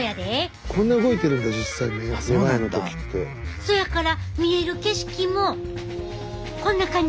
そやから見える景色もこんな感じ。